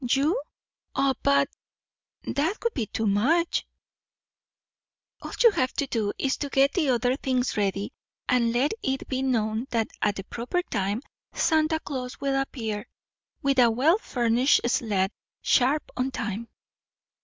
"You! O but, that would be too much " "All you have to do is to get the other things ready, and let it be known that at the proper time Santa Claus will appear, with a well furnished sled. Sharp on time."